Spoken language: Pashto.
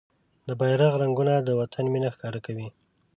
د بېرغ رنګونه د وطن مينه ښکاره کوي.